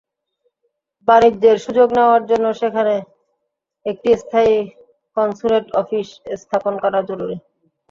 বাণিজ্যের সুযোগ নেওয়ার জন্য সেখানে একটি স্থায়ী কনস্যুলেট অফিস স্থাপন করা জরুরি।